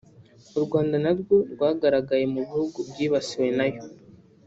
u Rwanda na rwo rwagaragaye mu bihugu byibasiwe nayo